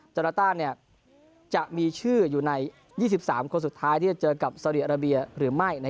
ราต้าจะมีชื่ออยู่ใน๒๓คนสุดท้ายที่จะเจอกับสาวดีอาราเบียหรือไม่